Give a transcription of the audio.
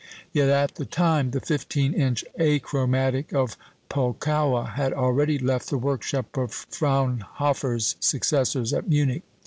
Yet at that time the fifteen inch achromatic of Pulkowa had already left the workshop of Fraunhofer's successors at Munich.